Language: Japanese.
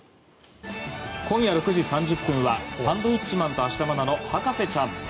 今夜６時３０分は「サンドウィッチマン＆芦田愛菜の博士ちゃん」。